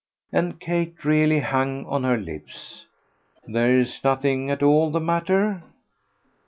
And Kate really hung on her lips. "There's nothing at all the matter?"